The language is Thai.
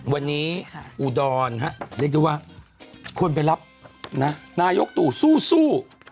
วันนี้อุดรเรียกได้ว่าควรไปรับนะนายกตู่สู้